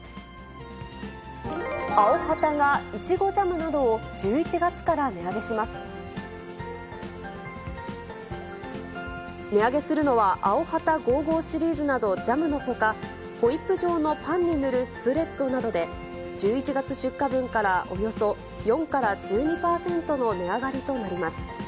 アヲハタが、イチゴジャムな値上げするのは、アヲハタ５５シリーズなど、ジャムのほか、ホイップ状のパンに塗るスプレッドなどで、１１月出荷分から、およそ４から１２％の値上がりとなります。